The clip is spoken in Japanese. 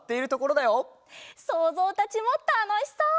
そうぞうたちもたのしそう！